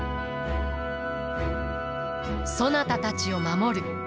そなたたちを守る。